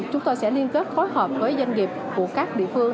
chúng tôi sẽ liên kết phối hợp với doanh nghiệp của các địa phương